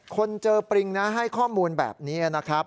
คนเจอปริงนะให้ข้อมูลแบบนี้นะครับ